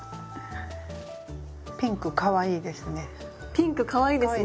ピンクかわいいですね！